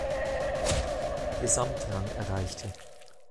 Gesamtrang erreichte.